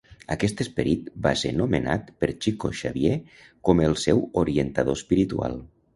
Aquest esperit va ser nomenat per Chico Xavier com el seu orientador espiritual.